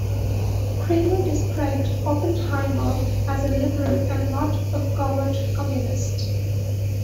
Kramer described Oppenheimer as a "liberal" and not a "covert Communist".